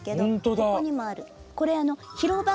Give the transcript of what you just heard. ここにもある。